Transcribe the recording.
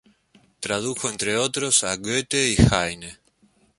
Tradujo, entre otros, a Goethe y Heine.